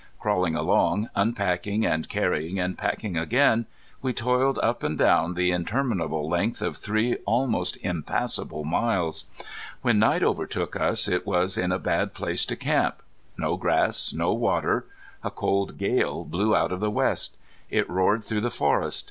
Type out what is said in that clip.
Crawling along, unpacking and carrying, and packing again, we toiled up and down the interminable length of three almost impassable miles. When night overtook us it was in a bad place to camp. No grass, no water! A cold gale blew out of the west. It roared through the forest.